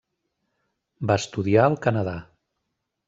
Va estudiar al Canadà.